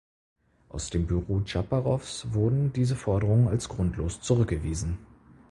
Aus dem Büro Dschaparows wurden diese Forderungen als grundlos zurückgewiesen.